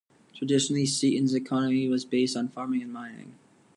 Traditionally, Seaton's economy was based on farming and mining.